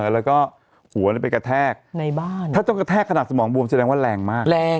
แล้วก็หัวไปกระแทกในบ้านถ้าต้องกระแทกขนาดสมองบวมแสดงว่าแรงมากแรง